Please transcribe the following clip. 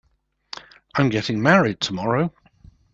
I'm getting married tomorrow.